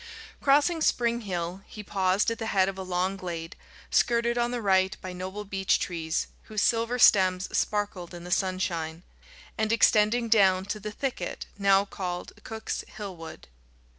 Crossing Spring Hill, he paused at the head of a long glade, skirted on the right by noble beech trees whose silver stems sparkled in the sun shine, and extending down to the thicket now called Cooke's Hill Wood.